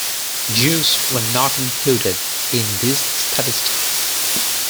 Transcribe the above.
Jews were not included in these statistics.